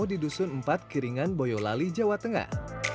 di dusun empat kiringan boyolali jawa tengah